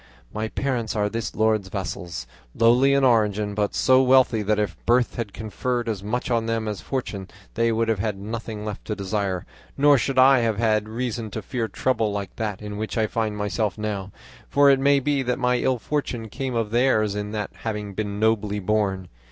My parents are this lord's vassals, lowly in origin, but so wealthy that if birth had conferred as much on them as fortune, they would have had nothing left to desire, nor should I have had reason to fear trouble like that in which I find myself now; for it may be that my ill fortune came of theirs in not having been nobly born.